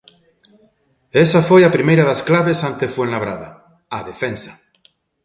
Esa foi a primeira das claves ante Fuenlabrada, a defensa.